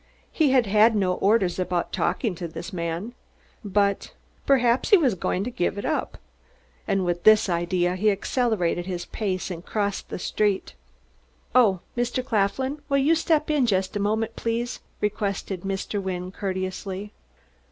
He had had no orders about talking to this man, but Perhaps he was going to give it up! And with this idea he accelerated his pace and crossed the street. "Oh, Mr. Claflin, will you step in just a moment, please?" requested Mr. Wynne courteously.